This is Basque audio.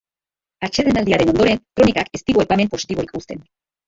Atsedenaldiaren ondoren, kronikak ez digu aipamen positiborik uzten.